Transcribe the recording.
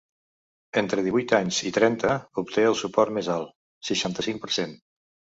Entre divuit anys i trenta obté el suport més alt: seixanta-cinc per cent.